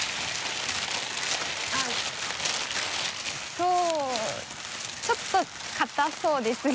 そうちょっと固そうですね